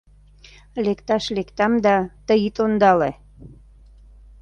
Лекташ лектам да, тый ит ондале...